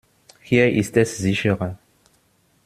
Hier ist es sicherer.